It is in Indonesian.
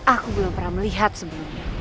aku belum pernah melihat sebelumnya